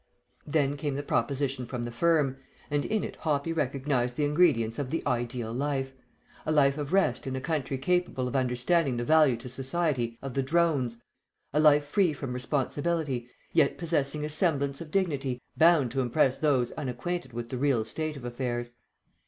Then came the proposition from the firm, and in it Hoppy recognized the ingredients of the ideal life a life of rest in a country capable of understanding the value to society of the drones, a life free from responsibility, yet possessing a semblance of dignity bound to impress those unacquainted with the real state of affairs.